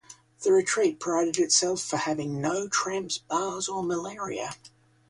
The retreat prided itself for having no tramps, bars, or malaria.